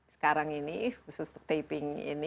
sekarang ini khusus taping ini